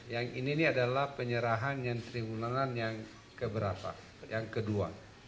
yang ini adalah penyerahan trimulanan yang kedua